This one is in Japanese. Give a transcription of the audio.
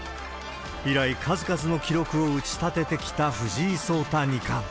以来数々の記録を打ち立ててきた藤井聡太二冠。